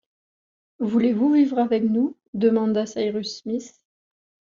Voulez-vous vivre avec nous ? demanda Cyrus Smith.